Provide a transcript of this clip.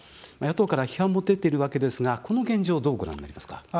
野党から批判も出てるわけですがこの現状、どうご覧になりますか。